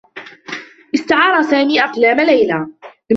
استعار سامي أقلام ليلى.